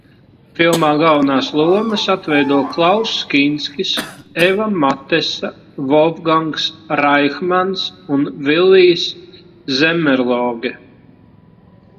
Filmā galvenās lomas atveido Klauss Kinskis, Eva Matesa, Volfgangs Raihmans un Villijs Zemmerloge.